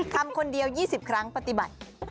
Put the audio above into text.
ทำคนเดียว๒๐ครั้งปฏิบัติ